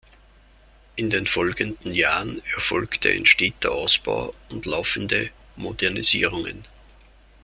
In den folgenden Jahren erfolgte ein steter Ausbau und laufende Modernisierungen.